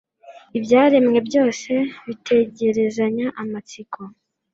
ibyaremwe byose bitegerezanya amatsiko